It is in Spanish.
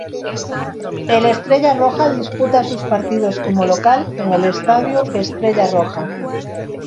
El Estrella Roja disputa sus partidos como local en el estadio Estrella Roja.